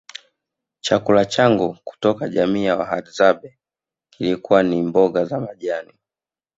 chakula changu kutoka jamii ya Wahadzabe kilikuwa ni mboga za majani